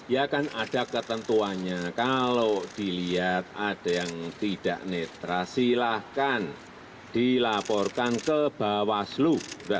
ya kan ada ketentuannya kalau dilihat ada yang tidak netral silahkan dilaporkan ke bawaslu